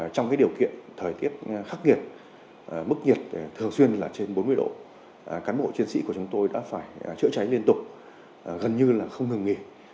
trong điều kiện thời tiết khắc nghiệt mức nhiệt thường xuyên là trên bốn mươi độ cán bộ chiến sĩ của chúng tôi đã phải chữa cháy liên tục gần như là không ngừng nghỉ